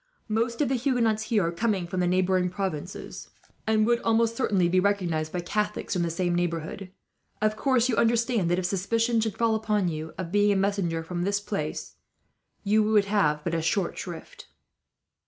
Most of the Huguenots here come from the neighbouring provinces, and would almost certainly be recognized, by Catholics from the same neighbourhood. Of course you understand that, if suspicion should fall upon you of being a messenger from this place, you will have but a short shrift."